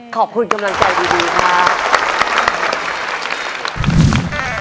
ขอบคุณกำลังใจดีครับ